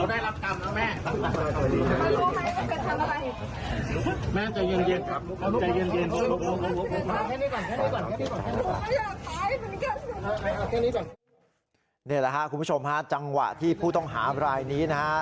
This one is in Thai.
นี่แหละครับคุณผู้ชมฮะจังหวะที่ผู้ต้องหาบรายนี้นะฮะ